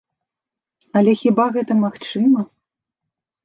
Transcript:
Але хіба гэта магчыма?